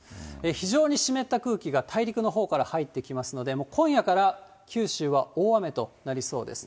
非常に湿った空気が大陸のほうから入ってきますので、もう今夜から九州は大雨となりそうです。